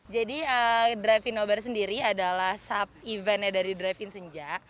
jadi drive in nobar sendiri adalah sub event dari drive in senja